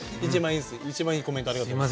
一番いいコメントありがとうございます。